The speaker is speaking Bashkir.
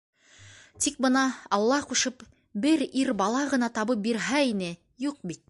Тик бына, алла ҡушып, бер ир бала ғына табып бирһә ине, юҡ бит.